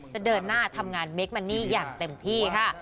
จะเดินหน้าทำงานเมคมันนี่อย่างเต็มที่ค่ะ